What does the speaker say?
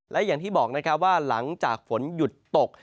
และอย่างที่บอกนะครับว่าหลังจากฝนหยุดตก